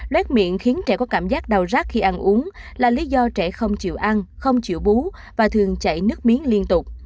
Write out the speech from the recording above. lết miệng khiến trẻ có cảm giác đau rắc khi ăn uống là lý do trẻ không chịu ăn không chịu bú và thường chạy nước miếng liên tục